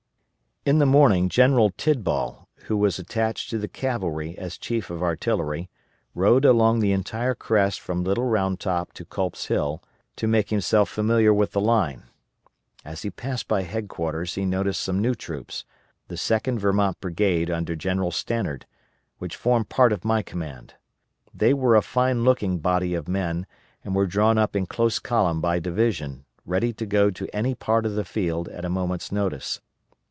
] In the morning General Tidball, who was attached to the cavalry as Chief of Artillery, rode along the entire crest from Little Round Top to Culp's Hill to make himself familiar with the line. As he passed by headquarters he noticed some new troops, the Second Vermont brigade under General Stannard, which formed part of my command. They were a fine looking body of men, and were drawn up in close column by division, ready to go to any part of the field at a moment's notice.